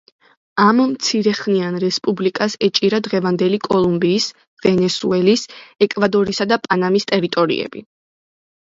ამ მცირეხნიან რესპუბლიკას ეჭირა დღევანდელი კოლუმბიის, ვენესუელის, ეკვადორისა და პანამის ტერიტორიები.